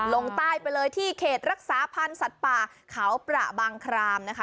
ลงใต้ไปเลยที่เขตรักษาพันธ์สัตว์ป่าเขาประบางครามนะคะ